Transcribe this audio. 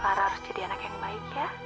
para harus jadi anak yang baik ya